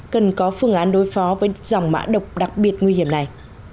cần có phương án đối phó với dòng mã độc đặc biệt nguy hiểm này